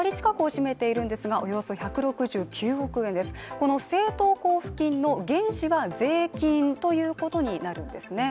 この政党交付金の原資は税金ということになるんですね。